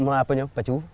umur apa ya pacu